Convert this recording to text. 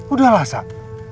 udah lah sak